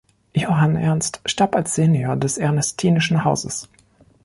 Johann Ernst starb als Senior des ernestinischen Hauses.